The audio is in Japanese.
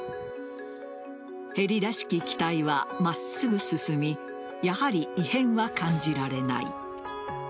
ヘリらしき機体は真っすぐ進みやはり異変は感じられない。